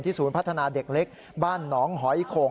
ศูนย์พัฒนาเด็กเล็กบ้านหนองหอยโข่ง